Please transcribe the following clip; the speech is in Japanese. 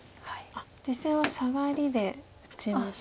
実戦はサガリで打ちましたね。